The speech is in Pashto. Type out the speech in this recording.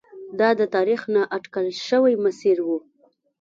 دا د تاریخ نا اټکل شوی مسیر و.